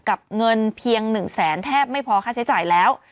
กับเงินเพียง๑แสนแทบไม่พอค่าใช้จ่ายแล้ว